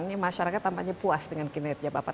ini masyarakat tampaknya puas dengan kinerja bapak